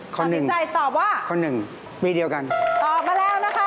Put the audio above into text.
ข้อหนึ่งข้อหนึ่งปีเดียวกันตอบมาแล้วนะคะ